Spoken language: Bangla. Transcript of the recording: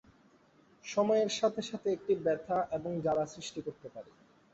সময়ের সাথে সাথে এটি ব্যাথা এবং জ্বালা সৃষ্টি করতে পারে।